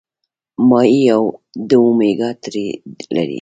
ماهي د اومیګا تري لري